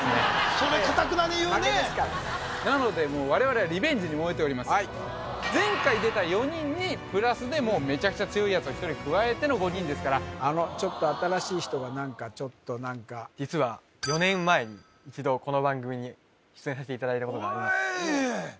それかたくなに言うね負けですからなのでもう我々は前回出た４人にプラスでもうメチャクチャ強いやつを１人加えての５人ですからあのちょっと新しい人が何かちょっと何か実は４年前に一度この番組に出演さしていただいたことがあります